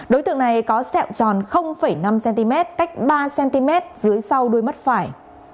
đối tượng này có sẹo tròn năm cm cách ba cm dưới sau đuôi mắt phải